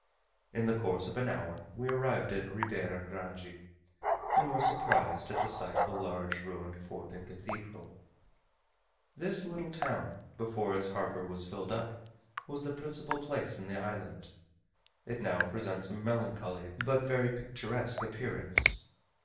In the course of an hour we arrived at Ribeira Grande, and were surprised at the sight of a large ruined fort and cathedral. This little town, before its harbour was filled up, was the principal place in the island: it now presents a melancholy, but very picturesque appearance.